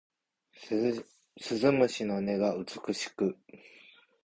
鈴虫の音が美しく